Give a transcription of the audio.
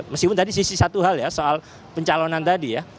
meskipun tadi sisi satu hal ya soal pencalonan tadi ya